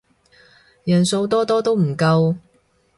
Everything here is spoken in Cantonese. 人數多多都唔夠